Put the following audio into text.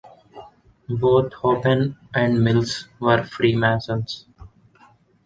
Both Hoban and Mills were Freemasons.